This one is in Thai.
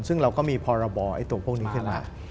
ซึ่งเราก็มีพรบตัวพวกนี้ขึ้นมา